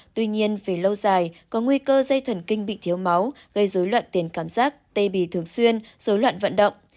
tuy nhiên vì lâu dài có nguy cơ dây thần kinh bị thiếu máu gây dối loạn tiền cảm giác tê bì thường xuyên dối loạn vận động